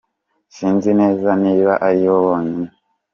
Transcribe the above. Sinzi neza niba ari bo bonyine.”